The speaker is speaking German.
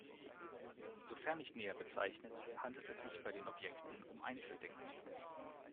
Sofern nicht näher bezeichnet, handelt es sich bei den Objekten um Einzeldenkmäler.